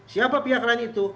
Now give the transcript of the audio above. siapa pihak lain itu